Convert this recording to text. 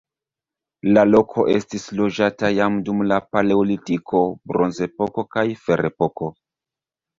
La loko estis loĝata jam dum la paleolitiko, bronzepoko kaj ferepoko.